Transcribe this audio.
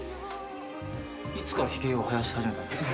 いつからひげを生やし始めたんですか？